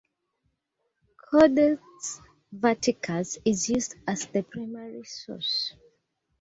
Codex Vaticanus is used as the primary source.